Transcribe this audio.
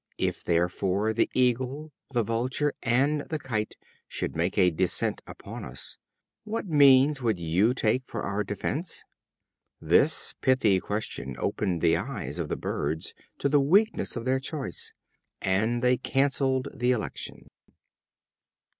If, therefore, the Eagle, the Vulture, and the Kite, should make a descent upon us, what means would you take for our defense?" This pithy question opened the eyes of the Birds to the weakness of their choice and they canceled the election.